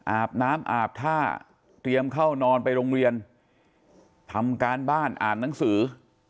อาบน้ำอาบท่าเตรียมเข้านอนไปโรงเรียนทำการบ้านอ่านหนังสือ